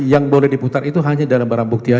yang boleh diputar itu hanya dalam barang bukti saja